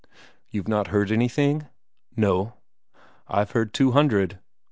"You've not heard anything?" "No." "I've heard two hundred."